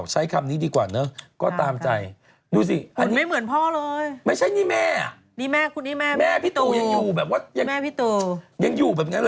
นั้นนายอ